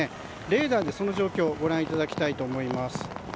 レーダーでその状況をご覧いただきたいと思います。